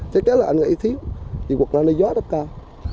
thế cái là anh nghĩ thiếu vì quốc năm nay gió rất cao